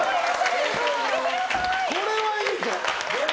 これはいいぞ！